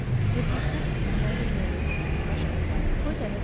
With respect to the migratory locusts of Russia, Korte has given (28.